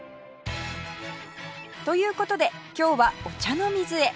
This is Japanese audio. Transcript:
という事で今日は御茶ノ水へ